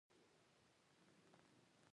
دغو شیانو بېلابېل تعبیرونه امکان لري.